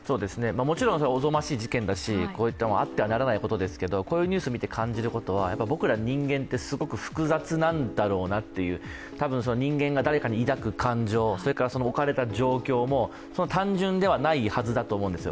もちろん、おぞましい事件だしあってはならない事件ですけどこういうニュース見て感じることは僕ら人間って、すごく複雑なんだろうなっていう、たぶん人間が誰かに抱く感情、それから置かれた状況も単純ではないはずなんですよ。